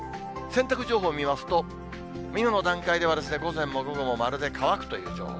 洗濯情報見ますと、今の段階では、午前も午後も丸で、乾くという情報。